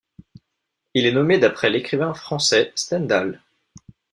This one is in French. Il est nommé d'après l'écrivain français Stendhal.